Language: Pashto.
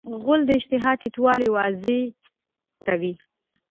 غول د اشتها ټیټوالی واضح کوي.